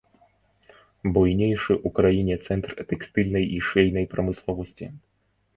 Буйнейшы ў краіне цэнтр тэкстыльнай і швейнай прамысловасці.